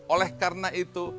oleh karena itu